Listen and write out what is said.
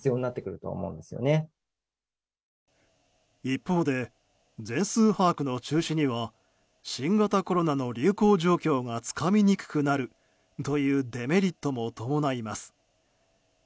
一方で、全数把握の中止には新型コロナの流行状況がつかみにくくなるというデメリットも伴います。